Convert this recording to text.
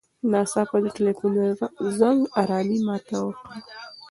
ناڅاپه د تیلیفون زنګ ارامي ماته کړه.